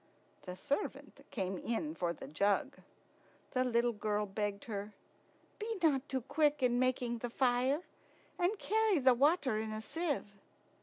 The servant came in for the jug. The little girl begged her, "Be not too quick in making the fire, and carry the water in a sieve."